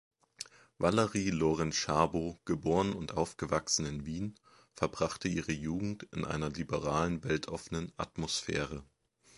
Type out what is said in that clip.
Valerie Lorenz-Szabo, geboren und aufgewachsen in Wien, verbrachte ihre Jugend in einer liberalen-weltoffenen Atmosphäre.